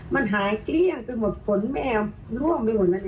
มันหายเกลี้ยงไปหมดผลแม่ร่วมไปหมดแล้ว